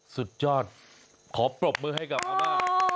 สุดยอดขอปรบมือให้กับอาม่า